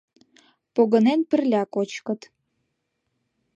Погынен пырля кочкыт.